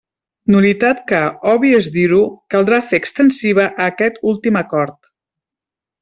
Nul·litat que, obvi és dir-ho, caldrà fer extensiva a aquest últim acord.